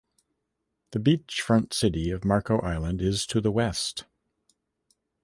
The beachfront city of Marco Island is to the west.